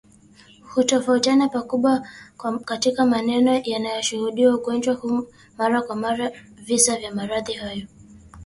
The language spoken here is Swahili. Hutofautiana pakubwa katika maeneo yanayoshuhudiwa ugonjwa huu mara kwa mara visa vya maradhi hayo